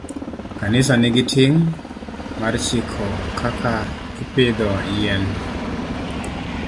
Kanisa nigi ting' mar chiko kaka ipidho yien